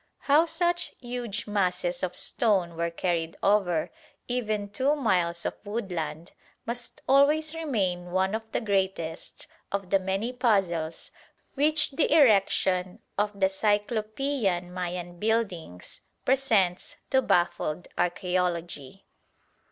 How such huge masses of stone were carried over even two miles of woodland must always remain one of the greatest of the many puzzles which the erection of the cyclopean Mayan buildings presents to baffled archæology.